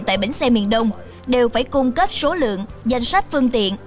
tại bến xe miền đông đều phải cung cấp số lượng danh sách phương tiện